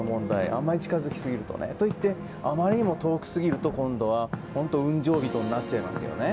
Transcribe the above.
あんまり近づきすぎるとね。といってあまりにも遠すぎると雲上人になっちゃいますね。